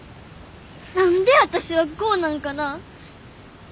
何で私はこうなんかな。